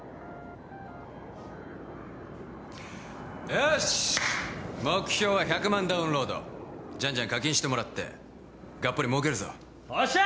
よーし目標は１００万ダウンロードジャンジャン課金してもらってがっぽり儲けるぞおっしゃ！